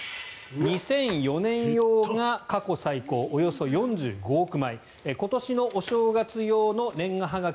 ２００４年用が過去最高およそ４５億枚今年のお正月用の年賀はがき